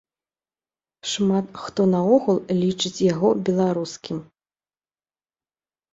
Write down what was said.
Шмат хто наогул лічыць яго беларускім.